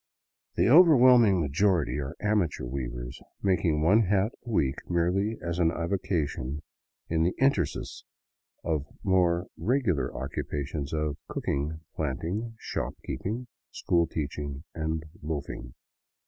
The overwhelming majority are amateur weavers, making one hat a week merely as an avocation in the interstices of their more regular occupations of cooking, planting, shopkeeping, school teaching, and loafing.